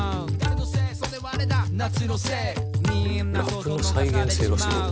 「ラップの再現性がすごい」